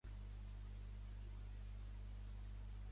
Quan sento els Segadors només se m'encongeixen els dits dels peus.